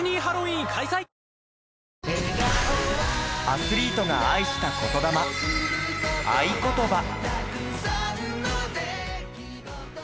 アスリートが愛した言魂『愛ことば』。